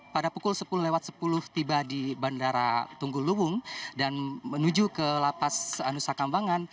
pada pukul sepuluh sepuluh tiba di bandara tunggul luwung dan menuju ke lapas nusa kambangan